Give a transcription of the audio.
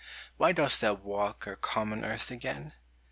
Why dost thou walk our common earth again?